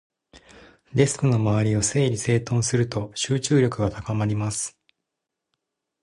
デスクの周りを整理整頓すると、集中力が高まります。